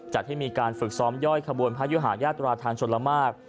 จัดให้มีการฝึกซ้อมย่อยขบวนพระยุหาญาตราทางชนละมาก